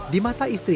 di mata istrinya